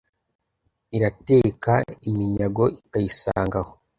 irateka iminyago ikayisanga aho.